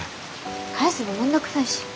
返すの面倒くさいし。